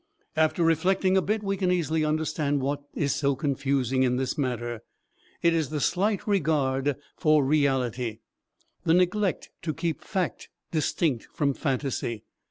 After reflecting a bit we can easily understand what is so confusing in this matter. It is the slight regard for reality, the neglect to keep fact distinct from phantasy.